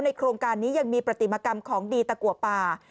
โครงการนี้ยังมีปฏิมากรรมของดีตะกัวป่า